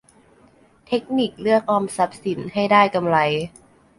เทคนิคเลือกออมทรัพย์สินให้ได้กำไร